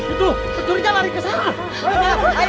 itu pecuriga lari ke sana